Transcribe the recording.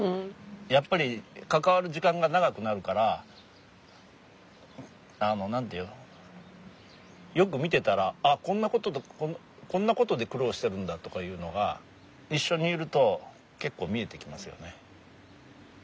やっぱり関わる時間が長くなるからあの何て言うのよく見てたらあっこんなことで苦労してるんだとかいうのが一緒にいると結構見えてきますよね。